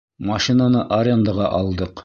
Машинаны арендаға алдыҡ.